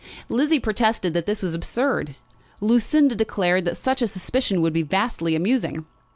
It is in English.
Lizzie protested that this was absurd. Lucinda declared that such a suspicion would be vastly amusing.